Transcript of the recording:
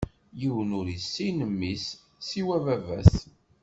Yiwen ur issin Mmi-s, siwa Ababat.